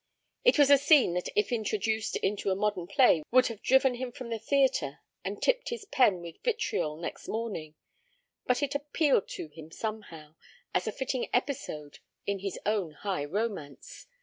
It was a scene that if introduced into a modern play would have driven him from the theatre and tipped his pen with vitriol next morning, but it appealed to him, somehow, as a fitting episode in his own high romance.